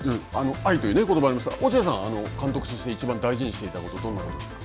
愛ということばがありましたが落合さん、監督としていちばん大事にしていたことどんなことですか。